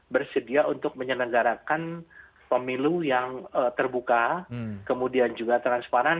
bersedia untuk menyelenggarakan pemilu yang terbuka kemudian juga transparan